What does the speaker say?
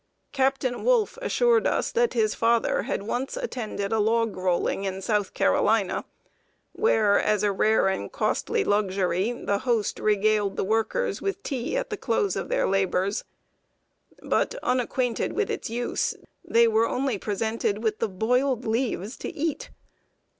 Captain Wolfe assured us that his father once attended a log rolling in South Carolina, where, as a rare and costly luxury, the host regaled the workers with tea at the close of their labors. But, unacquainted with its use, they were only presented with the boiled leaves to eat!